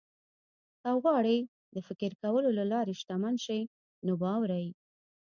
که غواړئ د فکر کولو له لارې شتمن شئ نو واورئ.